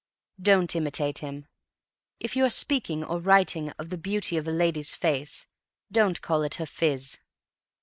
Don't imitate him. If you are speaking or writing of the beauty of a lady's face don't call it her "phiz."